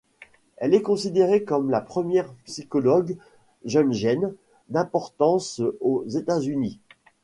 Elle est considérée comme la première psychologue jungienne d'importance aux États-Unis.